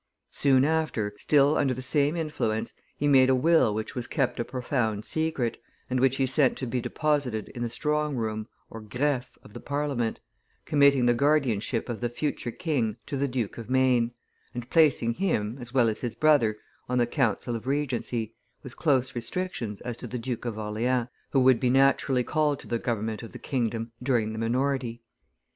Soon after, still under the same influence, he made a will which was kept a profound secret, and which he sent to be deposited in the strong room (greffe) of the Parliament, committing the guardianship of the future king to the Duke of Maine, and placing him, as well his brother, on the council of regency, with close restrictions as to the Duke of Orleans, who would he naturally called to the government of the kingdom during the minority.